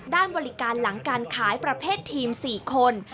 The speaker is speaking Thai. ด้านบริการหลังการขายประเภททีม๔คน